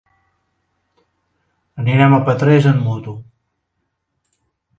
Anirem a Petrés amb moto.